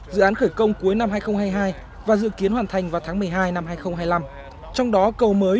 dự án khởi công cuối năm hai nghìn hai mươi hai và dự kiến hoàn thành vào tháng một mươi hai năm hai nghìn hai mươi năm trong đó cầu mới